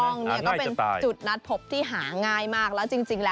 เป็นจุดนัดพบที่เว่นสู่ระดับที่หาง่ายมากจริง